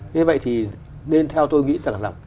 thế vậy thì nên theo tôi nghĩ rằng là